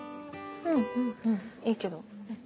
うんうんいいけど。